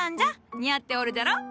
似合っておるじゃろ？